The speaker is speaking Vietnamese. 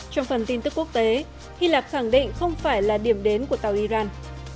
trong phần tin tức quốc tế hy lạp khẳng định không phải là điểm đến của tàu iran